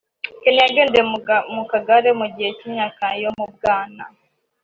Kenny yagendeye mu kagare mu gihe cy’imyaka yo mu bwana